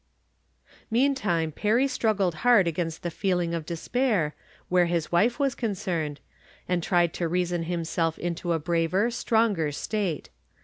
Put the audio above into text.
Meantime Perry struggled hard against the feeling of despair, where his wife was concerned, and tried to reason himself into a braver, stronger state.